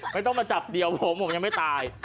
ไม่ต้องมาจับเดียวผมผมยังไม่ตาย